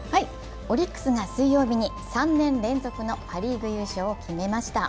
オリックスが水曜日に３年連続のパ・リーグ優勝を決めました。